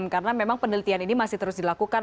karena memang penelitian ini masih terus dilakukan